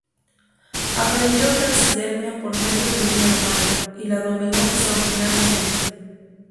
Aprendió taxidermia, por medio de un hermano, y la dominó extraordinariamente.